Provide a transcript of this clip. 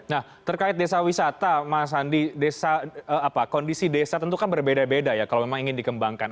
nah terkait desa wisata mas andi kondisi desa tentu kan berbeda beda ya kalau memang ingin dikembangkan